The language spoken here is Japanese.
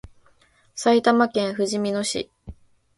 埼玉県ふじみ野市